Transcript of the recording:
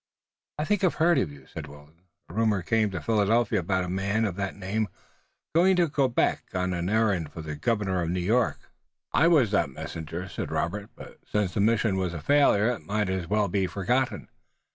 "I think I've heard of you," said Wilton. "A rumor came to Philadelphia about a man of that name going to Quebec on an errand for the governor of New York." "I was the messenger," said Robert, "but since the mission was a failure it may as well be forgotten."